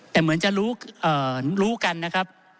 แต่เหมือนจะรู้กันนะครับ